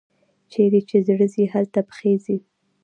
چیري چي زړه ځي، هلته پښې ځي.